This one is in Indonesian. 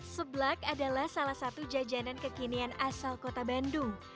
seblak adalah salah satu jajanan kekinian asal kota bandung